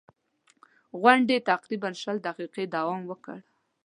غونډې تقریباً شل دقیقې دوام وکړ.